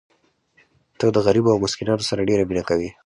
ته د غریبو او مسکینانو سره ډېره مینه کوې.